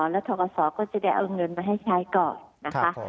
แล้วทกศก็จะได้เอาเงินมาให้ใช้ก่อนนะคะ